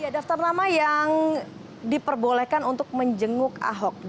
daftar nama yang diperbolehkan untuk menjenguk ahok